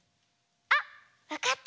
あっわかった！